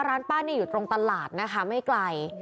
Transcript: ร้านป้านี่อยู่ตรงตลาดนะคะไม่ไกล